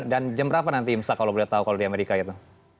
dan jam berapa nanti imsah kalau boleh tahu kalau di amerika itu